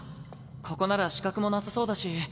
ここなら死角もなさそうだし。